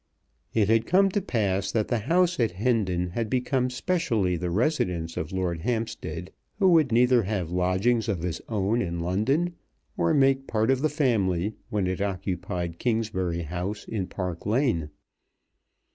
It had come to pass that the house at Hendon had become specially the residence of Lord Hampstead, who would neither have lodgings of his own in London or make part of the family when it occupied Kingsbury House in Park Lane.